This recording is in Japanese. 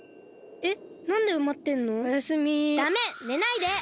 えっ！？